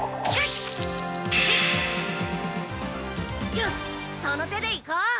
よしその手でいこう！